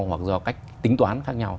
hoặc do cách tính toán khác nhau